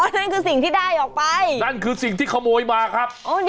นั่นคือสิ่งที่ได้ออกไปนั่นคือสิ่งที่ขโมยมาครับ